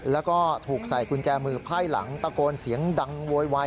แล้วก็ถูกใส่กุญแจมือไพ่หลังตะโกนเสียงดังโวยวาย